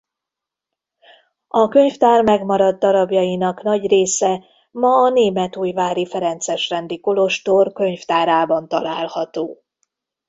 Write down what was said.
A könyvtár megmaradt darabjainak nagy része ma a németújvári ferences rendi kolostor könyvtárában található.